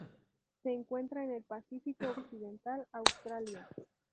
Se encuentra en el Pacífico occidental: Australia.